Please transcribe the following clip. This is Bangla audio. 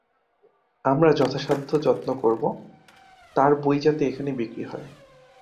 আমরা যথাসাধ্য যত্ন করব, তাঁর বই যাতে এখানে বিক্রী হয়।